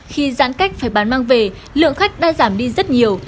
khi giãn cách phải bán mang về lượng khách đã giảm đi rất nhiều